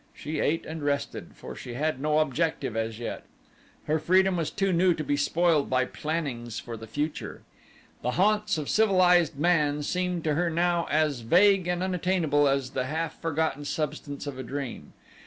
She ate and rested, for she had no objective as yet. Her freedom was too new to be spoiled by plannings for the future. The haunts of civilized man seemed to her now as vague and unattainable as the half forgotten substance of a dream.